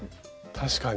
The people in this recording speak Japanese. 確かに。